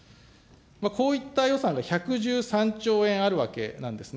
こういった予算が１１３兆円あるわけなんですね。